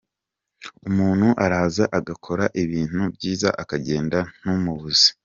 Umuntu araza agakora ibintu byiza akagenda, ntumubuze.